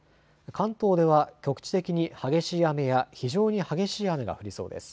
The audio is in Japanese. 関東では局地的に激しい雨や非常に激しい雨が降りそうです。